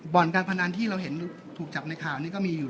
การพนันที่เราเห็นถูกจับในข่าวนี้ก็มีอยู่